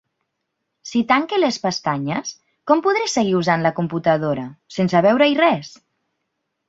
Si tanque les pestanyes, com podré seguir usant la computadora, sense veure-hi res?